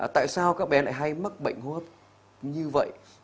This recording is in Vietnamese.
tại sao các bé lại hay mắc bệnh hô hấp như vậy